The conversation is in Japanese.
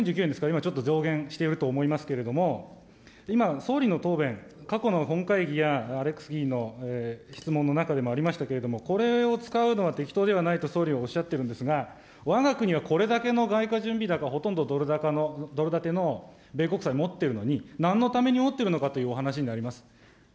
１４９円ですから、今ちょっと増減していると思いますけれども、今、総理の答弁、過去の本会議やアレックス議員の質問の中でもありましたけれども、これを使うのは適当ではないと総理はおっしゃってるんですが、わが国はこれだけの外貨準備高、ほとんどドル建ての米国債持ってるのに、なんのために持ってるのかというお話になります。